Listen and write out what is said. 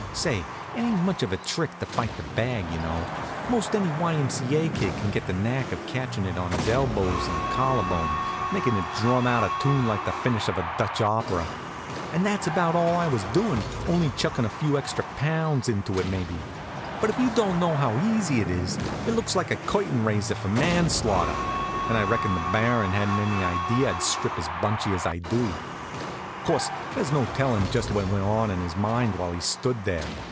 Say, it ain't much of a trick to fight the bag, y'know. Most any Y. M. C. A. kid can get the knack of catchin' it on his elbows and collarbone, makin' it drum out a tune like the finish of a Dutch opera. And that's about all I was doin', only chuckin' a few extra pounds into it maybe. But if you don't know how easy it is, it looks like a curtain raiser for manslaughter. And I reckon the Baron hadn't any idea I'd strip as bunchy as I do. Course, there's no tellin' just what went on in his mind while he stood there.